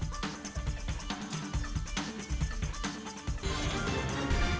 terima kasih banyak